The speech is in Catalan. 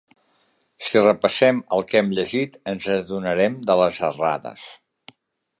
Si repassem el que hem llegit ens adonarem de les errades